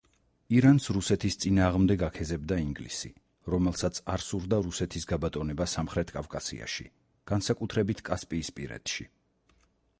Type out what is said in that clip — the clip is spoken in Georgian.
ირანს რუსეთის წინააღმდეგ აქეზებდა ინგლისი, რომელსაც არ სურდა რუსეთის გაბატონება სამხრეთ კავკასიაში, განსაკუთრებით, კასპიისპირეთში.